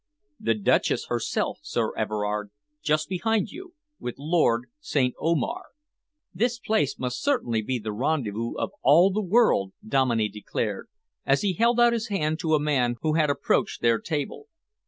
"The Duchess herself, Sir Everard, just behind you, with Lord St. Omar." "This place must certainly be the rendezvous of all the world," Dominey declared, as he held out his hand to a man who had approached their table.